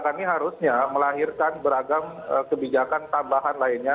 ini harusnya melahirkan beragam kebijakan tambahan lainnya